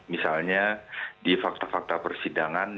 misalnya di fakta fakta persidangan